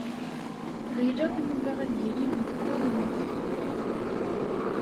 Ɣileɣ Yuba ad yili deg tkurmut.